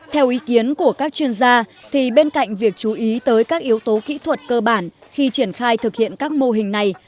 theo ý kiến của các chuyên gia bên cạnh việc chú ý tới các yếu tố kỹ thuật cơ bản khi triển khai thực hiện các mô hình này